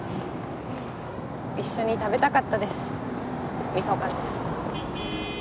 一緒に食べたかったです味噌カツ。